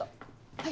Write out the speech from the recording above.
はい？